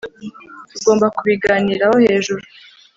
tugomba kubiganiraho hejuru.